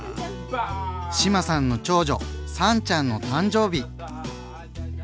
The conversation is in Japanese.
志麻さんの長女燦ちゃんの誕生日。